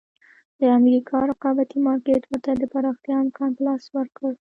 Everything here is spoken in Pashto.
د امریکا رقابتي مارکېټ ورته د پراختیا امکان په لاس ورکړ.